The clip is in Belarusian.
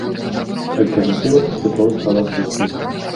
Альтэрнатыва паступова стала звыклай.